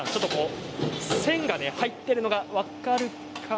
線が入っているのが分かるかな？